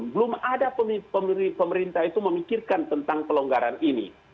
belum ada pemerintah itu memikirkan tentang pelonggaran ini